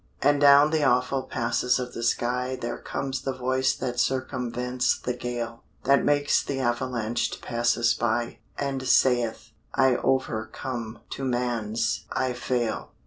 And down the awful passes of the sky There comes the voice that circumvents the gale; That makes the avalanche to pass us by, And saith, "I overcome" to man's "I fail."